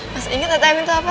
masih inget ttm itu apa